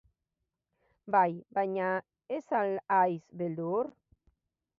Bai, baina ez al haiz beldur?